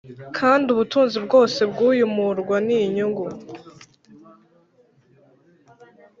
Kandi ubutunzi bwose bw uyu murwa n inyungu